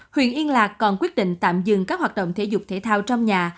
huyện yên lạc còn quyết định tạm dừng các hoạt động thể dục thể thao trong nhà